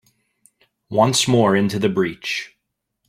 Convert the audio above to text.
Once more into the breach